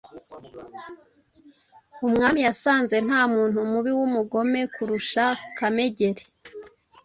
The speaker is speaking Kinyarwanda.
Umwami yasanze nta muntu mubi w’umugome kurusha Kamegeri.